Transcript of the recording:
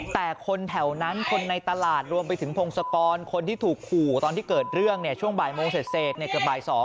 แต่คนแถวนั้นคนในตลาดรวมไปถึงพงศกรคนที่ถูกขู่ตอนที่เกิดเรื่องช่วงบ่ายโมงเสร็จเกือบบ่าย๒